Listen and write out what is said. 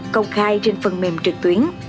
công khai trên phần mềm trực tuyến